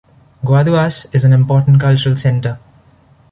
Guaduas, is an important cultural center.